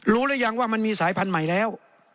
หรือยังว่ามันมีสายพันธุ์ใหม่แล้ว